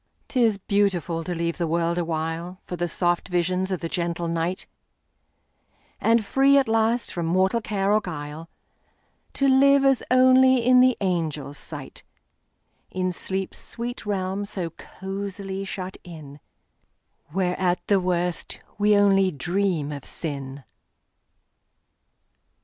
'T is beautiful to leave the world awhileFor the soft visions of the gentle night; And free, at last, from mortal care or guile, To live as only in the angels' sight, In sleep's sweet realm so cosily shut in, Where, at the worst, we only dream of sin!